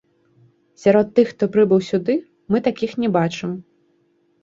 Сярод тых, хто прыбыў сюды, мы такіх не бачым.